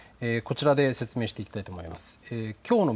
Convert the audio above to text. こちらで説明していきたいと思います。